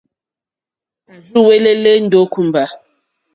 À úwɛ́lɛ́lɛ́ ndó kùmbà.